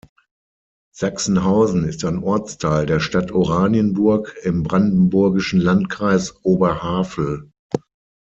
Sachsenhausen ist ein Ortsteil der Stadt Oranienburg im brandenburgischen Landkreis Oberhavel.